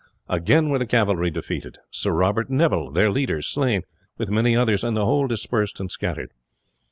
Again were the cavalry defeated, Sir Robert Neville, their leader, slain, with many others, and the whole dispersed and scattered.